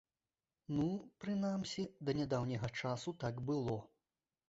Ну, прынамсі, да нядаўняга часу так было.